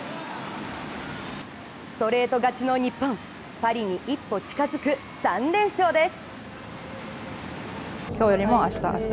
ストレート勝ちの日本、パリに一歩近づく３連勝です。